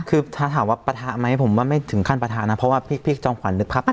คือถ้าถามว่าปะทะไหมผมว่าไม่ถึงขั้นประทะนะเพราะว่าพี่จอมขวัญนึกภาพ